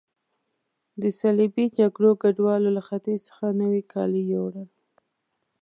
د صلیبي جګړو ګډوالو له ختیځ څخه نوي کالي یوړل.